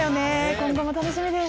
今後も楽しみです。